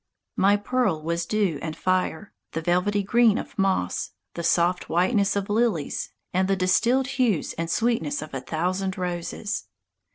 My pearl was dew and fire, the velvety green of moss, the soft whiteness of lilies, and the distilled hues and sweetness of a thousand roses.